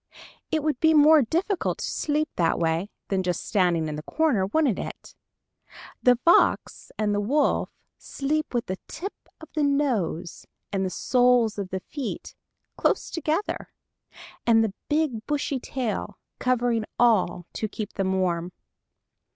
It would be more difficult to sleep that way than just standing in the corner, wouldn't it? The fox and the wolf sleep with the tip of the nose and the soles of the feet close together, and the big, bushy tail covering all to keep them warm.